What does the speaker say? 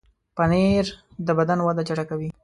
پنېر د بدن وده چټکوي.